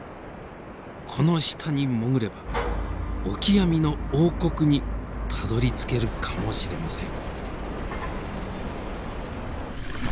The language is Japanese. この下に潜ればオキアミの王国にたどりつけるかもしれません。